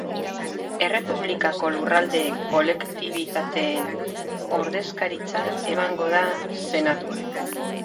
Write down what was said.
Errepublikako lurralde-kolektibitateen ordezkaritza emango da Senatuan.